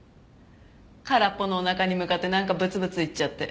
空っぽのお腹に向かってなんかブツブツ言っちゃって。